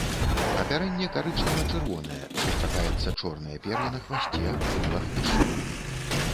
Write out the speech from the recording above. Апярэнне карычнева-чырвонае, сустракаецца чорнае пер'е на хвасце, крылах і шыі.